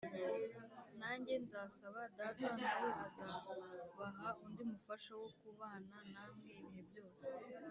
Nanjye nzasaba Data, nawe azabaha undi Mufasha wo kubana namwe ibihe byose